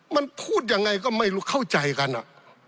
มันพูดอย่างไงก็ไม่เข้าใจกันอะ